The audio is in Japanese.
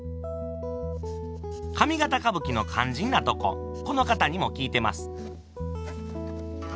上方歌舞伎の肝心なとここの方にも聞いてます。